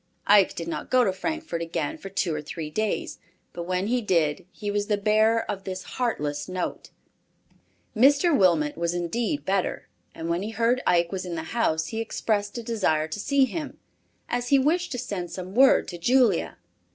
Ike did not go to Frankfort again for two or three days, but when he did, he was the bearer of this heartless note. Mr. Wilmot was indeed better and when he heard Ike was in the house he expressed a desire to see him, as he wished to send some word to Julia.